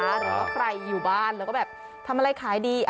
หรือใครอยู่บ้านทำอะไรขายดี